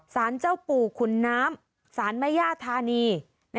สารเจ้าปู่ขุนน้ำศาลแม่ย่าธานี